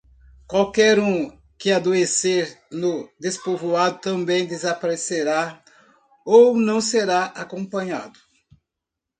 Qualquer um que adoecer no despovoado também desaparecerá ou não será acompanhado.